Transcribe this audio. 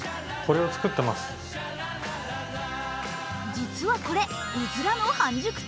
実はこれ、うずらの半熟卵。